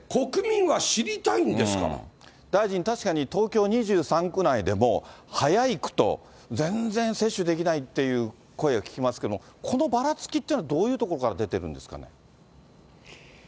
だって、大臣、確かに東京２３区内でも、速い区と全然接種できないっていう声を聞きますけれども、このばらつきっていうのはどういうところから出てきてるんですかね。